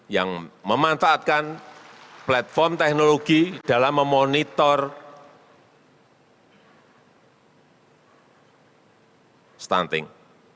yang memanfaatkan platform teknologi dalam memonitor stunting